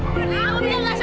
aku tidak sengaja